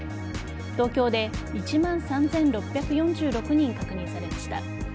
東京で１万３６４６人確認されました。